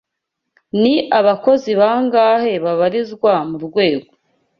Ni abakozi bangahe babarizwa mu rwego